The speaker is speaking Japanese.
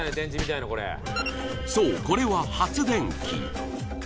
そうこれは発電機。